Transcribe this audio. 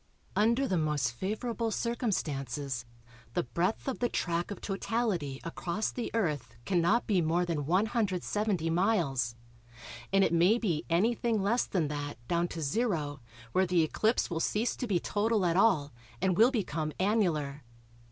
Under the most favourable circumstances the breadth of the track of totality across the Earth cannot be more than 170 miles, and it may be anything less than that down to zero where the eclipse will cease to be total at all, and will become annular.